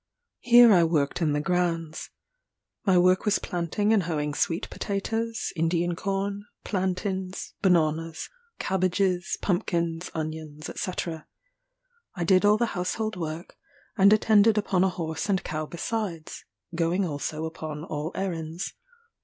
Here I worked in the grounds. My work was planting and hoeing sweet potatoes, Indian corn, plantains, bananas, cabbages, pumpkins, onions, &c. I did all the household work, and attended upon a horse and cow besides, going also upon all errands.